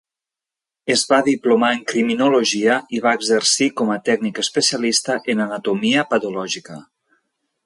Es va diplomar en criminologia i va exercir com a tècnic especialista en anatomia patològica.